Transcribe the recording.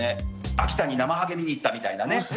秋田になまはげ見に行ったみたいなね。